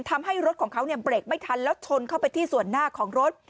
ทำให้รถของเขาเนี่ยเบรกไม่ทันแล้วชนเข้าไปที่ส่วนหน้าของรถ